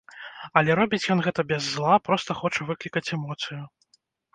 Але робіць ён гэта без зла, проста хоча выклікаць эмоцыю.